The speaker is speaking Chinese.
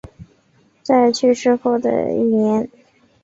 在去世的一年后